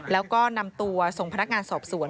แล้วก็นำตัวส่งพนักงานสอบสวน